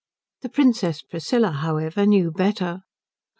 The Princess Priscilla, however, knew better.